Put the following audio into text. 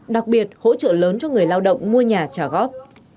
đặc biệt hỗ trợ lớn cho người lao động mua nhà trả góp